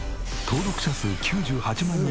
登録者数９８万